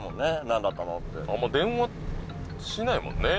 「何だったの？」ってあんま電話しないもんね